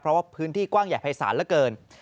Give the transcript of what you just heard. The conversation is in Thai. เพราะว่าพื้นที่กว้างใหญ่ภายศาลเหลือเกิน